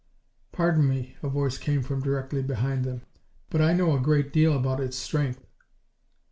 "Pardon me," a voice came from directly behind them, "but I know a great deal about its strength."